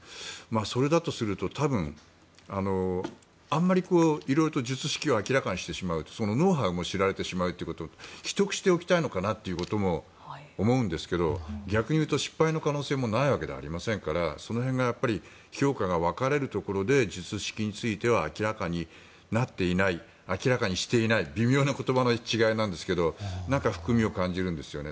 それだとすると、多分あまり色々と術式を明らかにしてしまうとそのノウハウが知られてしまうということで秘匿しておきたいのかなということも思うんですが逆に言うと失敗の可能性もないわけではありませんからその辺が評価が分かれるところで術式については明らかになっていない明らかにしていない微妙な言葉の違いなんですがなんか含みを感じるんですよね。